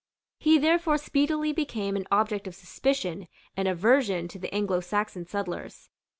He therefore speedily became an object of suspicion and aversion to the Anglosaxon settlers.